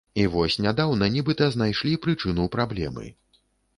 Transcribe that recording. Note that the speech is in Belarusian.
І вось нядаўна нібыта знайшлі прычыну праблемы.